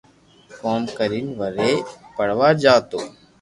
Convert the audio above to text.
ڪوم ڪرين وري پڙوا جاتو